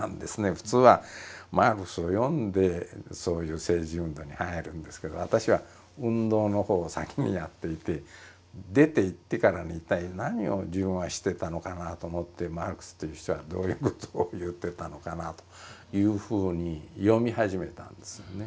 普通はマルクスを読んでそういう政治運動に入るんですけど私は運動のほうを先にやっていて出ていってからね一体何を自分はしてたのかなと思ってマルクスという人はどういうことを言ってたのかなというふうに読み始めたんですよね。